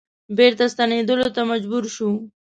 بیرته ستنیدلو ته مجبور شو.